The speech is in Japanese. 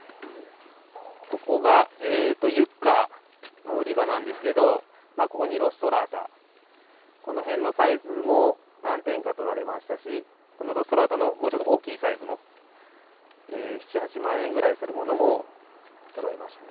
ここがユッカの売り場なんですけど、ここにロストラータ、この辺のサイズも何点かとられましたし、このロストラータのもうちょっと大きいサイズも、７、８万円ぐらいするものも、とられましたね。